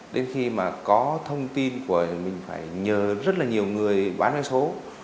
đến khi mà có thông tin của mình phải nhờ rất là nhiều người bán vé số